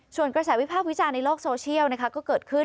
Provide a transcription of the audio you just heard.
ส่วนกระแสวิพากษ์วิจารณ์ในโลกโซเชียลนะคะก็เกิดขึ้น